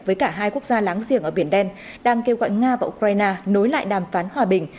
với cả hai quốc gia láng giềng ở biển đen đang kêu gọi nga và ukraine nối lại đàm phán hòa bình